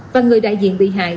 và người đại diện bị hại